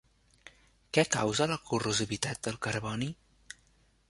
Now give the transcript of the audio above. Què causa la corrosivitat del carboni?